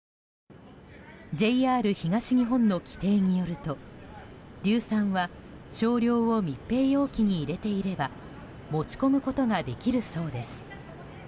ＪＲ東日本の規定によると硫酸は、少量を密閉容器に入れていれば持ち込むことができるそうです。